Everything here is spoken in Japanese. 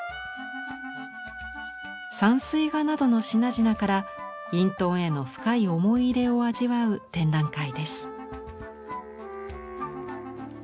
山水画などの品々から隠遁への深い思い入れを味わう展覧会です。